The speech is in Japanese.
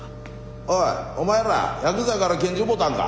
おいお前らヤクザから拳銃奪うたんか？